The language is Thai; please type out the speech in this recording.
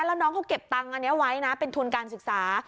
แล้วน้องเขาเก็บตังค์อันนี้ไว้นะเป็นทุนการศึกษา